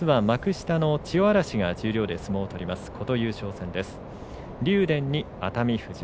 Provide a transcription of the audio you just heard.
幕下の千代嵐が十両で相撲を取ります。